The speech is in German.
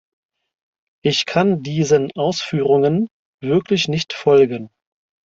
Ich kann diesen Ausführungen wirklich nicht folgen.